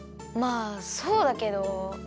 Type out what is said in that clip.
まあそうだけど。